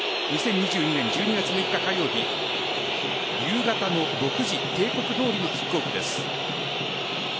２０２２年１２月６日火曜日夕方の６時定刻どおりのキックオフです。